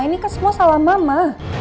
ini kan semua salah mama